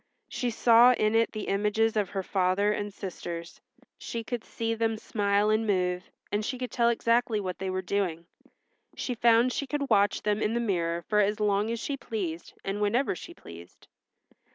She saw in it the images of her father and sisters. She could see them smile and move, and she could tell exactly what they were doing. She found she could watch them in the mirror for as long as she pleased and whenever she pleased.